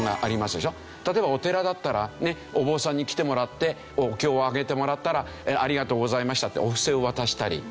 例えばお寺だったらお坊さんに来てもらってお経を上げてもらったらありがとうございましたってお布施を渡したり。